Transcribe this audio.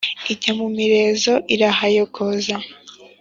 Ijya mu mirenzo irahayogoza,